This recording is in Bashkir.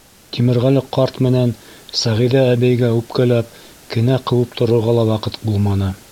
Тимерғәле ҡарт менән Сәғиҙә әбейгә үпкәләп, кенә ҡыуып торорға ла ваҡыт булманы.